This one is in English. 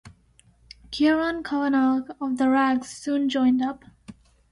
Ciaran Kavanagh of "The Rags" soon joined up.